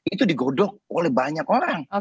itu digodok oleh banyak orang